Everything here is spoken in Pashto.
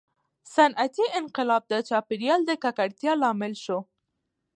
• صنعتي انقلاب د چاپېریال د ککړتیا لامل شو.